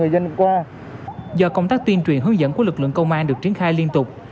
do công tác tuyên truyền hướng dẫn của lực lượng công an được triển khai liên tục